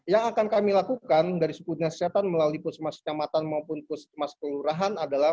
yang akan kami lakukan dari sekutnya siatan melalui pusmas kecamatan maupun pusmas kelurahan adalah